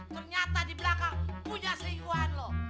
ternyata di belakang punya seikuan lo